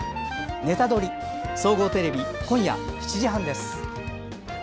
「ネタドリ！」総合テレビ今夜７時半です。